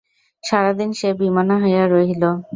সারাদিন সে বিমনা হইয়া রহিল।